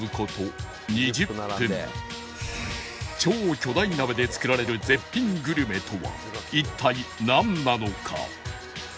超巨大鍋で作られる絶品グルメとは一体なんなのか？